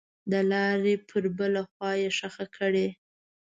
دلارې پر بله خوا یې ښخه کړئ.